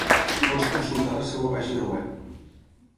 Pots consultar la seva pàgina web.